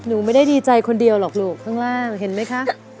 หนูไม่ได้ดีใจคนเดียวหรอกลูกข้างล่างเห็นไหมคะ